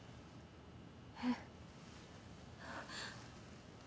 えっ。